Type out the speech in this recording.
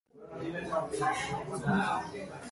Bên trong quán có một người bước ra